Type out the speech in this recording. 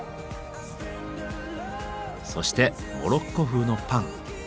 そしてモロッコ風のパン。